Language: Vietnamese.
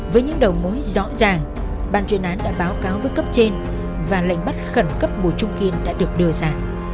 với những đầu mối rõ ràng ban chuyên án đã báo cáo với cấp trên và lệnh bắt khẩn cấp bùi trung kiên đã được đưa ra